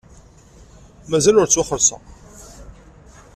Mazal ur ttwaxelṣeɣ.